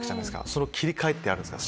その切り替えってあるんですか？